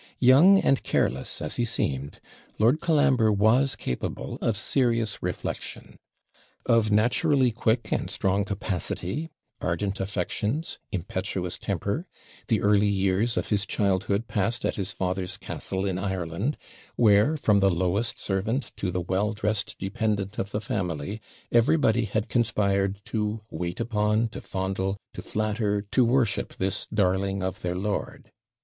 Young and careless as he seemed, Lord Colambre was capable of serious reflection. Of naturally quick and strong capacity, ardent affections, impetuous temper, the early years of his childhood passed at his father's castle in Ireland, where, from the lowest servant to the well dressed dependant of the family, everybody had conspired to wait upon, to fondle, to flatter, to worship, this darling of their lord.